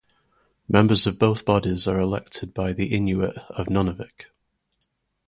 Members of both bodies are elected by the Inuit of Nunavik.